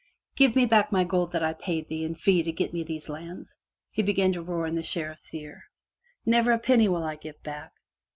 " Give me back my gold that I paid thee in fee to get me these lands," he began to roar in the Sheriff's ear. "Never a penny will I give back!